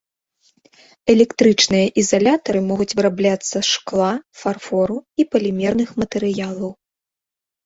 Электрычныя ізалятары могуць вырабляцца з шкла, фарфору і палімерных матэрыялаў.